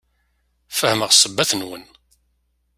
Fehmeɣ ssebbat-nwen.